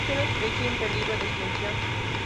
Es una especie en peligro de extinción.